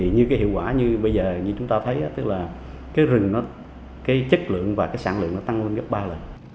như hiệu quả như bây giờ chúng ta thấy rừng chất lượng và sản lượng tăng lên gấp ba lần